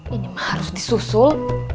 ini mah harus disusul